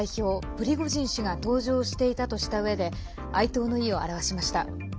プリゴジン氏が搭乗していたとしたうえで哀悼の意を表しました。